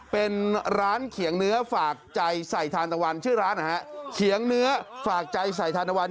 เป็นร้านเขียงเนื้อฝากใจใส่ทานตะวันชื่อร้านนะฮะเขียงเนื้อฝากใจใส่ทานตะวัน